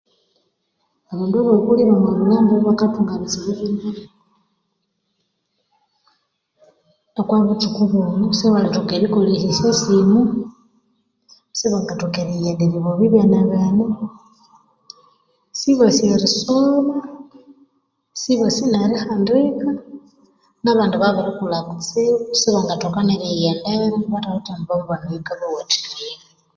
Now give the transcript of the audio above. Abandu abakulire bakathunga ebitsibu binene okwabutuku buno sibalhitoka erikolha emibiri yabo sibasi erisoma sibasi nerihandia kusangwa babirikulha kutsibu